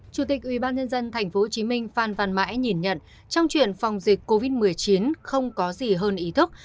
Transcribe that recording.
chủ tịch ubnd tp hcm phan văn mãi nhìn nhận trong chuyện phòng dịch covid một mươi chín không có gì hơn ý thức